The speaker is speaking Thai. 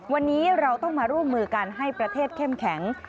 วันนี้เราต้องมาร่วมมือกันให้ประเทศเข้มแข็ง